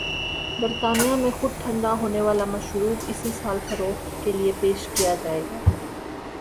برطانیہ میں خود ٹھنڈا ہونے والا مشروب اسی سال فروخت کے لئے پیش کیاجائے گا۔